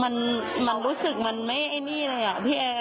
มันมันรู้สึกมันไม่ไอ้นี่เลยอ่ะพี่แอร์